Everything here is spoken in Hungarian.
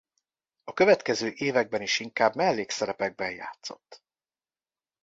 A következő években is inkább mellékszerepekben játszott.